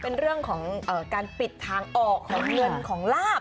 เป็นเรื่องของการปิดทางออกของเงินของลาบ